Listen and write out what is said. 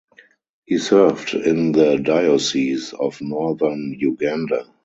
He served in the Diocese of Northern Uganda.